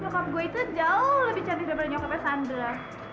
nyokap gue itu jauh lebih cantik daripada nyokapnya sandra